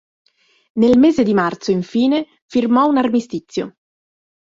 Nel mese di marzo infine firmò un armistizio.